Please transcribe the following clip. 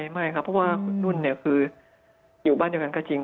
ไม่ครับเพราะว่าคุณนุ่นคืออยู่บ้านเดียวกันก็จริง